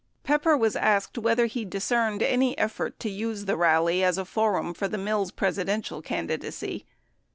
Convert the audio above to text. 60 Pepper was asked whether he discerned any etfort to use the rally as a forum for the Mills Presidential candidacy.